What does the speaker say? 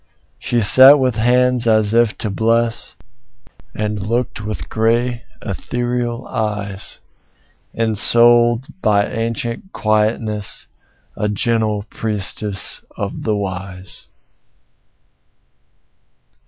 She sat with hands as if to bless, And looked with grave, ethereal eyes; Ensouled by ancient quietness, A gentle priestess of the Wise.